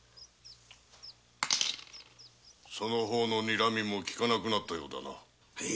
その方の睨も利かなくなったようだな？